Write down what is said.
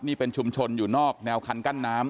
นี่เป็นชุมชนอยู่นอกแนวคันกั้นน้ำ